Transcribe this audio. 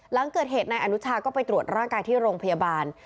หลังเกิดเหตุนายอนุชาก็ไปตรวจร่างกายที่โรงพยาบาล